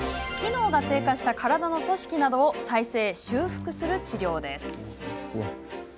機能が低下した体の組織などを再生、修復する治療です。